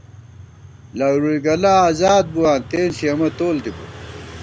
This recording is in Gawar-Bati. لورُوئی گلہ ازاد بُواں تېنݪی امہ تول دِی بوک